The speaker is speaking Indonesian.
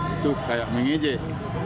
itu seperti mengijik